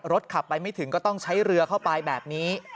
ขับไปไม่ถึงก็ต้องใช้เรือเข้าไปแบบนี้